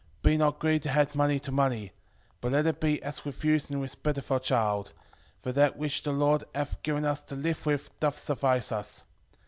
5:18 Be not greedy to add money to money: but let it be as refuse in respect of our child. 5:19 For that which the Lord hath given us to live with doth suffice us.